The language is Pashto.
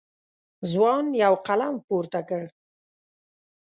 ځوان یو قلم پورته کړ.